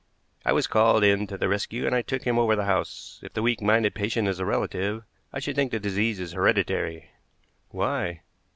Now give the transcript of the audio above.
I was called in to the rescue, and I took him over the house. If the weak minded patient is a relative, I should think the disease is hereditary." "Why?"